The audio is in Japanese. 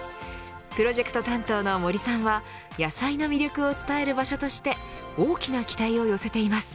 プロジェクト担当の森さんは野菜の魅力を伝える場所として大きな期待を寄せています。